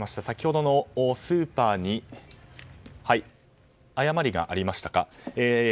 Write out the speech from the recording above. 先ほどのスーパーに誤りがありました。